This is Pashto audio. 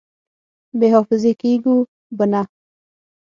بې حافظې کېږو به نه!